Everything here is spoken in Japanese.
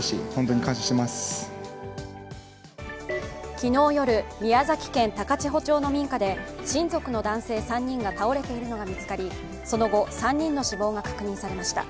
昨日夜、宮崎県高千穂町の民家で親族の男性３人が倒れているのが見つかりその後、３人の死亡が確認されました。